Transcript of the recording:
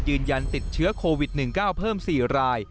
ยืนยันติดเชื้อโควิด๑๙เพิ่ม๔ราย